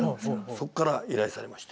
そっから依頼されまして。